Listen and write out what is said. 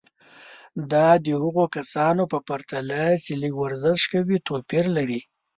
دا د هغو کسانو په پرتله چې لږ ورزش کوي توپیر لري.